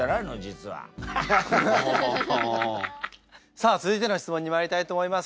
さあ続いての質問にまいりたいと思います。